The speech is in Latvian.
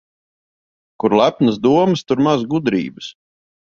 Kur lepnas domas, tur maz gudrības.